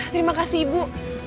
terima kasih ibu